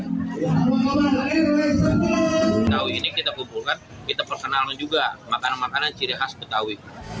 betawi ini kita kumpulkan kita perkenalkan juga makanan makanan ciri khas betawi